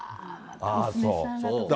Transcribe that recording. ああそう。